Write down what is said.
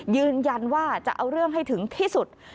ยืนยันว่าจะเอาเรื่องให้ถึงที่สุด